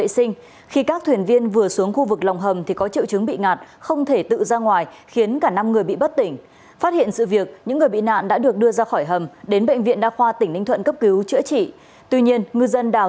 xin chào và hẹn gặp lại trong các bản tin tiếp theo